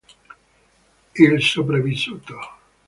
Il sopravvissuto